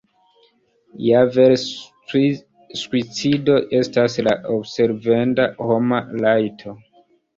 Ja vere suicido estas la observenda homa rajto!